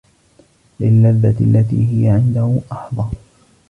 لِلِّذَّةِ الَّتِي هِيَ عِنْدَهُ أَحْظَى